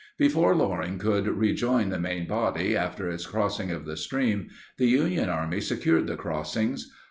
Before Loring could rejoin the main body, after its crossing of the stream, the Union Army secured the crossings.